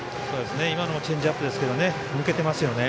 今のもチェンジアップですが抜けてますよね。